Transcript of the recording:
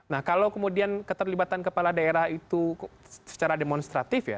nah kalau kemudian keterlibatan kepala daerah itu secara demonstratif ya